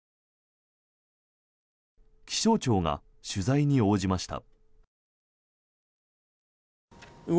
気象庁が取材に応じました。